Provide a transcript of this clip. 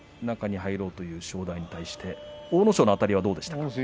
中に入ろうという正代に対して阿武咲のあたりはどうでしたか。